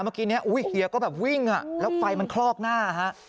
เมื่อกี้เนี้ยอุ้ยเฮียก็แบบวิ่งอ่ะแล้วไฟมันคลอกหน้าอ่ะฮะ